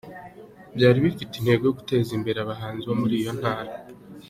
Byari bifite intego yo guteza imbere abahanzi bo muri iyo Ntara.